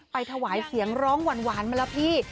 ถวายเสียงร้องหวานมาแล้วพี่